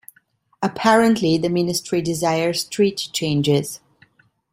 Apparently, the ministry desires treaty changes.